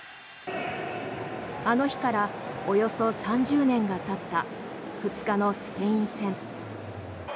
あの日からおよそ３０年がたった２日のスペイン戦。